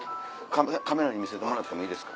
カメラに見せてもらってもいいですか？